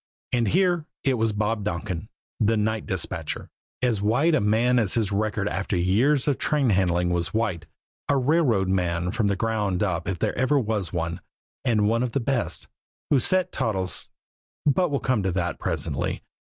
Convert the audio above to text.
And here, it was Bob Donkin, the night dispatcher, as white a man as his record after years of train handling was white, a railroad man from the ground up if there ever was one, and one of the best, who set Toddles but we'll come to that presently.